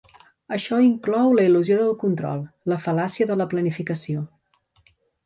Això inclou la "il·lusió del control", "la fal·làcia de la planificació".